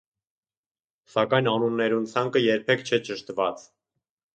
Սակայն անուններուն ցանկը երբեք չէ ճշդուած։